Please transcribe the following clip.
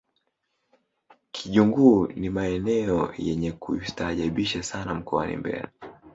kijunguu ni maeneo yenye kustaajabisha sana mkoani mbeya